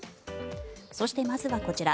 そして、まずはこちら。